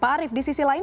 pak arief di sisi lain